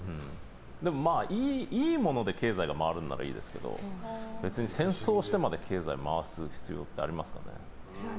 でも、いいもので経済が回るならいいですけど別に戦争してまで経済を回す必要ってありますかね。